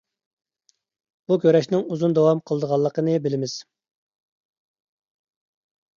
بۇ كۈرەشنىڭ ئۇزۇن داۋام قىلىدىغانلىقىنى بىلىمىز.